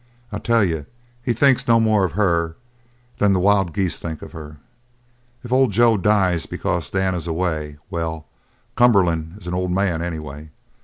I tell you, he thinks no more of her than than the wild geese think of her. If old Joe dies because Dan is away well, Cumberland is an old man anyway.